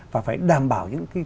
và phải đảm bảo những cái